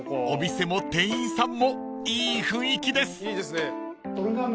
［お店も店員さんもいい雰囲気です］